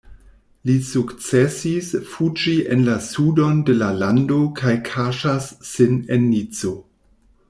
Li sukcesis fuĝi en la sudon de la lando kaj kaŝas sin en Nico.